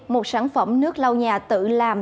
một sản phẩm nước lau nhà tự làm